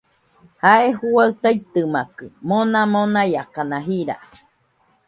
Jae juaɨ taitɨmakɨ, mona monaiakana jira